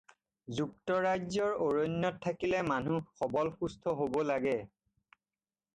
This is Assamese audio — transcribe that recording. যুক্তৰাজ্যৰ অৰণ্যত থাকিলে মানুহ সবল সুস্থ হ'ব লাগে।